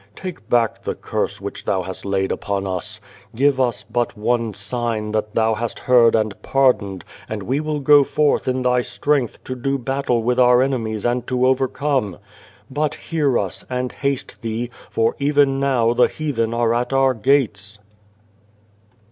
Take back the curse which Thou hast laid upon us. Give us but one sign that Thou hast heard and pardoned, and we will go forth in Thy strength to do battle with our enemies and to overcome ; but hear us, and haste Thee, for even now the heathen are at our gates